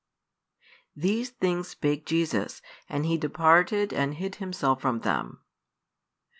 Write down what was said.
These things spake Jesus, and He departed and hid Himself from them.